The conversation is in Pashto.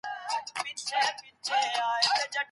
علمي بحثونه د فکر کولو ساحه پراخوي.